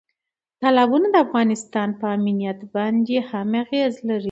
تالابونه د افغانستان په امنیت باندې هم اغېز لري.